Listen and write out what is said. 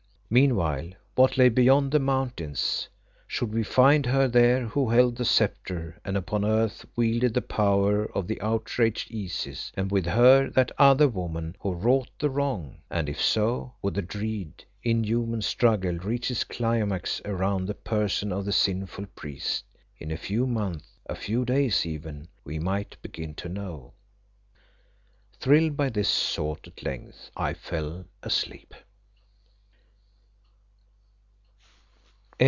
Meanwhile what lay beyond the mountains? Should we find her there who held the sceptre and upon earth wielded the power of the outraged Isis, and with her, that other woman who wrought the wrong? And if so, would the dread, inhuman struggle reach its climax around the person of the sinful priest? In a few months, a few days even, we might begin to know. Thrilled by this thought at length I fell asleep.